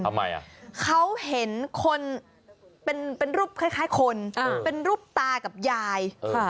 ทำไมอ่ะเขาเห็นคนเป็นรูปคล้ายคนเป็นรูปตากับยาย